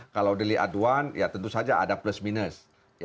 kalau delik aduan ya tentu saja ada plus minus